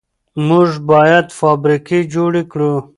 موږ باید فابریکې جوړې کړو.